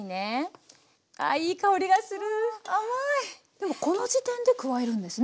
でもこの時点で加えるんですね